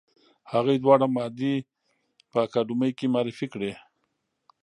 هغوی دواړه مادې په اکاډمۍ کې معرفي کړې.